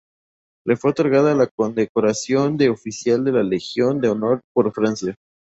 Le fue otorgada la condecoración de Oficial de la Legión de Honor por Francia.